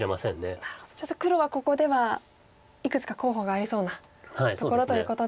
ちょっと黒はここではいくつか候補がありそうなところということで。